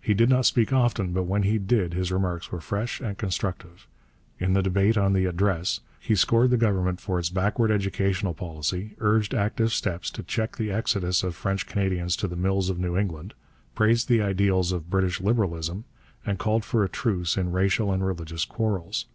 He did not speak often, but when he did his remarks were fresh and constructive. In the debate on the Address he scored the Government for its backward educational policy, urged active steps to check the exodus of French Canadians to the mills of New England, praised the ideals of British Liberalism, and called for a truce in racial and religious quarrels.